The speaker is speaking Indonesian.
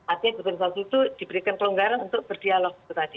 artinya itu diberikan kelonggaran untuk berdialog seperti tadi